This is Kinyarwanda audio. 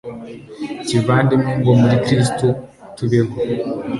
kivandimwe, ngo muri kristu tubeho